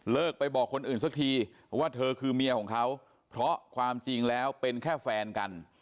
ไปบอกคนอื่นสักทีว่าเธอคือเมียของเขาเพราะความจริงแล้วเป็นแค่แฟนกัน